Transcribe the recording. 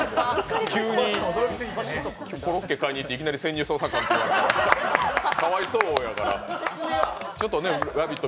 急にコロッケ買いに行っていきなり潜入捜査官やるのはかわいそうやから「ラヴィット！」